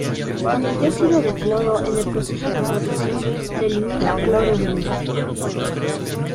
Con el dióxido de cloro en el proceso de producción, se elimina cloro elemental.